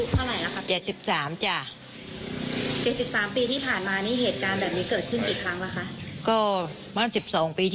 เตรียมสาข้าวแรงสกแก่เกิดมาเกิดไป